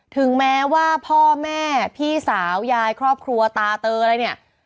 ถึงแม้ว่าพ่อแม่พี่สาวยายครอบครัวตาเตออะไรเนี่ย